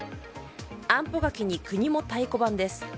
あんぽ柿に国も太鼓判です。